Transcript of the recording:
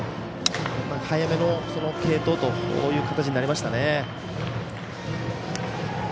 早めの継投という形になりましたね。